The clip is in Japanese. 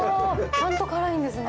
ちゃんと辛いんですね。